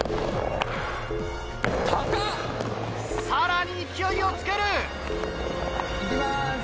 さらに勢いをつける！行きます。